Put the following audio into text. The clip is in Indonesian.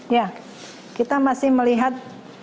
ya kita masih melihat